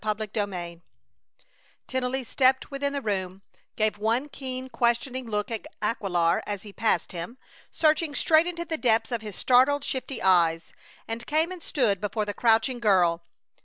CHAPTER XXXI Tennelly stepped within the room, gave one keen, questioning look at Aquilar as he passed him, searching straight into the depths of his startled, shifty eyes, and came and stood before the crouching girl.